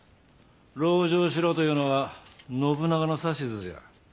籠城しろというのは信長の指図じゃ。